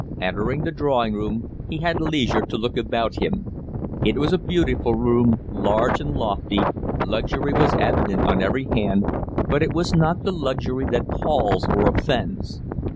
Entering the drawing room, he had leisure to look about him. It was a beautiful room, large and lofty; luxury was evident on every hand, but it was not the luxury that palls or offends.